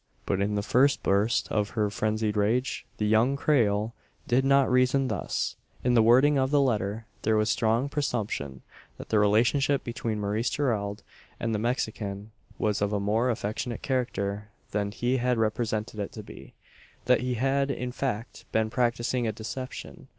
But in the first burst of her frenzied rage, the young Creole did not reason thus. In the wording of the letter there was strong presumption, that the relationship between Maurice Gerald and the Mexican was of a more affectionate character than he had represented it to be that he had, in fact, been practising a deception.